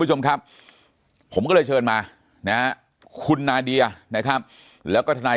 คุณผู้ชมครับผมก็เลยเชิญมานะคุณนาเดียนะครับแล้วก็ทนาย